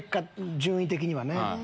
順位的にはね。